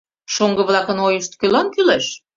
Шоҥго-влакын ойышт кӧлан кӱлеш?